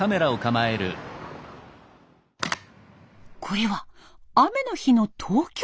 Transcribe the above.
これは雨の日の東京駅。